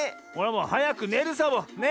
もうはやくねるサボ！ね。